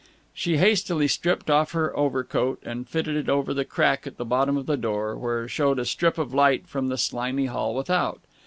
She hastily stripped off her overcoat and fitted it over the crack at the bottom of the door, where showed a strip of light from the slimy hall without.